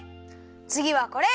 つぎはこれ！